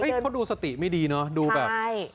เขาดูสติไม่ดีเนอะดูแบบใช่